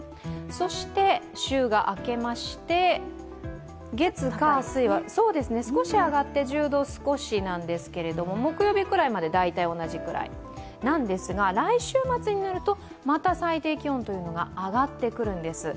そして、週が明けまして月、火、水は少し上がって１０度少しなんですけれども木曜日くらいまで大体同じくらいなんですが、来週末になると、また最低気温が上がってくるんです。